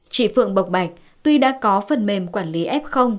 chị phượng bộc bạch tuy đã có phần mềm quản lý f